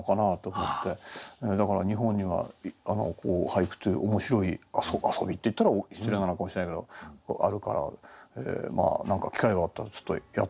だから日本には俳句という面白い遊びって言ったら失礼なのかもしれないけどあるから何か機会があったらちょっとやってみようかなと思って。